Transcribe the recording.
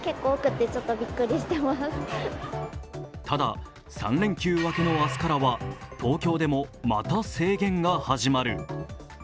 ただ３連休明けの明日から東京でもまた制限が始まる。